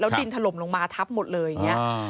แล้วดินทรลมลงมาทับหมดเลยอย่างเงี้ยเฮ้อ